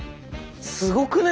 すごくない？